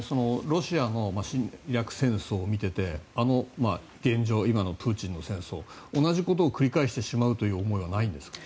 ロシアの侵略戦争を見てて現状とプーチンの戦争と同じことを繰り返してしまうという思いはないんですか。